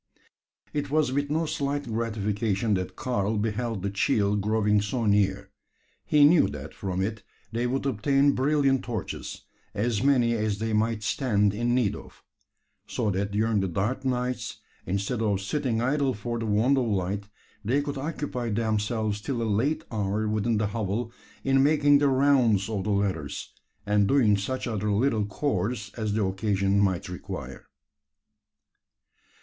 It was with no slight gratification that Karl beheld the "cheel" growing so near. He knew that from it they would obtain brilliant torches as many as they might stand in need of; so that during the dark nights, instead of sitting idle for the want of light, they could occupy themselves till a late hour within the hovel, in making the "rounds" of the ladders, and doing such other little "chores" as the occasion might require.